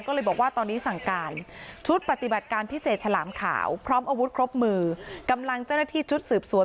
ก็เลยบอกว่าตอนนี้สั่งการชุดปฏิบัติการพิเศษฉลามขาวพร้อมอาวุธครบมือกำลังเจ้าหน้าที่ชุดสืบสวน